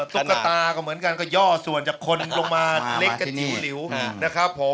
ตุ๊กตาก็เหมือนกันย่อส่วนจากคนลงมาเล็กกันจิ๊วหลิว